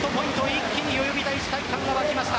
一気に代々木第一体育館が沸きました。